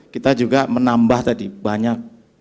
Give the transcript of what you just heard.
kita juga menambah tadi banyak